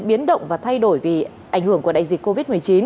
biến động và thay đổi vì ảnh hưởng của đại dịch covid một mươi chín